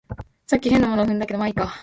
さっき変なもの踏んだけど、まあいいか